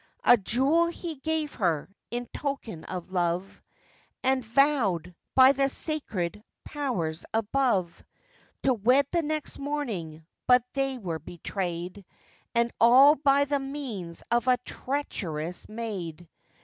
A jewel he gave her, in token of love, And vowed, by the sacred powers above, To wed the next morning; but they were betrayed, And all by the means of a treacherous maid.